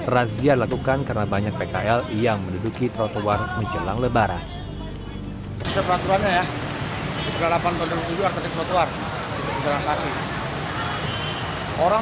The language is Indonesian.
razia dilakukan karena banyak pkl yang menduduki trotoar menjelang lebaran